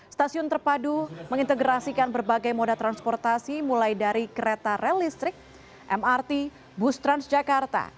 stasiun terpadu mengintegrasikan berbagai moda transportasi mulai dari kereta rel listrik mrt bus transjakarta